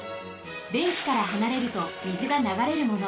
べんきからはなれるとみずがながれるもの。